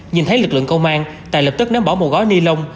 nhìn thấy lực lượng công an tài lập tức ném bỏ một gói ni lông